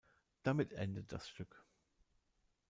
Damit endet das Stück.